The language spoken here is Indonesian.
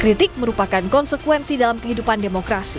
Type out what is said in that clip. kritik merupakan konsekuensi dalam kehidupan demokrasi